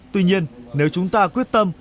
tuy nhiên nếu chúng ta quyết tâm